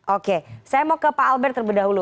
oke saya mau ke pak albert terlebih dahulu